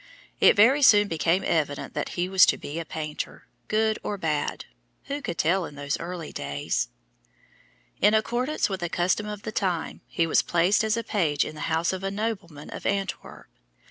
It very soon became evident that he was to be a painter good or bad who could tell in those early days? In accordance with a custom of the time, he was placed as a page in the house of a nobleman of Antwerp.